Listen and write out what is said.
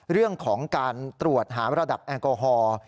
เรื่องของการตรวจหาระดับแอลกอฮอล์